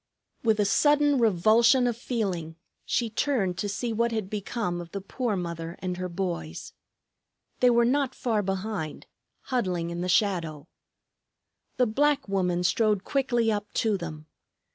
With a sudden revulsion of feeling she turned to see what had become of the poor mother and her boys. They were not far behind, huddling in the shadow. The black woman strode quickly up to them.